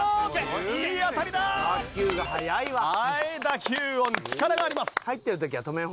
打球音力があります。